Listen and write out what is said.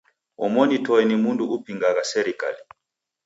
Omoni toe ni mndu upingagha serikali.